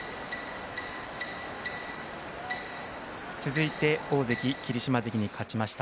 続いて大関霧島関に勝ちました